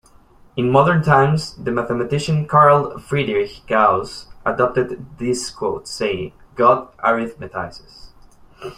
In modern times, the mathematician Carl Friedrich Gauss adapted this quote, saying "God arithmetizes".